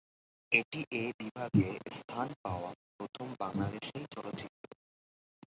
এটি এ বিভাগে স্থান পাওয়া প্রথম বাংলাদেশী চলচ্চিত্র।